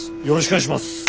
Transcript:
よろしくお願いします！